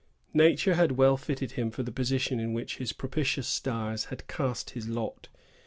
Nature had well fitted him for the position in which his propitious stars had cast his lot.